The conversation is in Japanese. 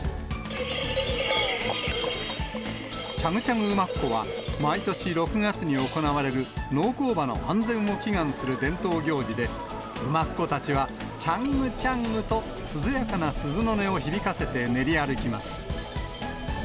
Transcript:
チャグチャグ馬コは、毎年６月に行われる農耕馬の安全を祈願する伝統行事で、馬コたちは、ちゃんぐちゃんぐと涼やかな鈴の音を響かせて練り歩きます。